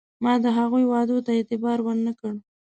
ما د هغوی وعدو ته اعتبار ور نه کړ.